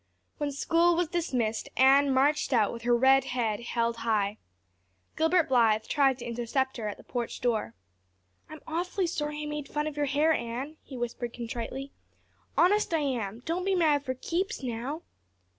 When school was dismissed Anne marched out with her red head held high. Gilbert Blythe tried to intercept her at the porch door. "I'm awfully sorry I made fun of your hair, Anne," he whispered contritely. "Honest I am. Don't be mad for keeps, now."